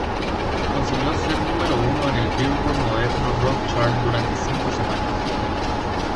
Consiguió ser número uno en el Billboard Modern Rock Chart durante cinco semanas.